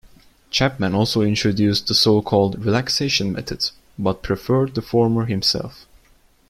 Chapman also introduced the so called "relaxation method", but preferred the former himself.